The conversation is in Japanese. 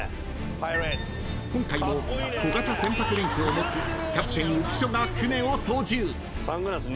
［今回も小型船舶免許を持つキャプテン浮所が船を操縦］